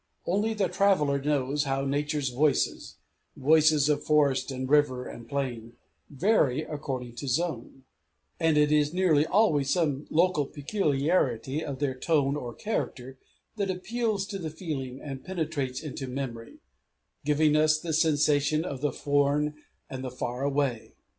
Only the traveller knows how Nature's voices voices of forest and river and plain vary according to zone; and it is nearly always some local peculiarity of their tone or character that appeals to feeling and penetrates into memory, giving us the sensation of the foreign and the far away.